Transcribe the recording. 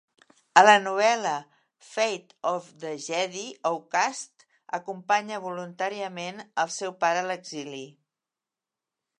A la novel·la "Fate of the Jedi: Outcast", acompanya voluntàriament el seu pare a l'exili.